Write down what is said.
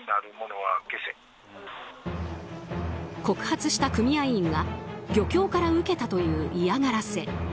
告発した組合員が漁協から受けたという嫌がらせ。